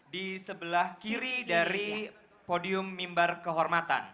di sebelah kiri dari podium mimbar kehormatan